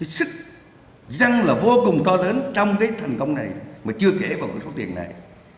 sức răng vô cùng to lớn trong thành công này mà chưa kể vào số tiền này